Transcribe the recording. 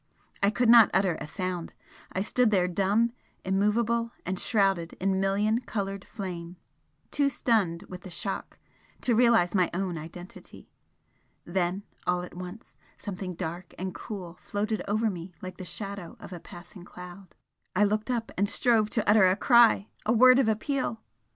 I could not utter a sound, I stood there dumb, immovable, and shrouded in million coloured flame, too stunned with the shock to realise my own identity. Then all at once something dark and cool floated over me like the shadow of a passing cloud I looked up and strove to utter a cry, a word of appeal!